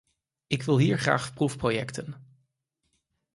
Ik wil hier graag proefprojecten.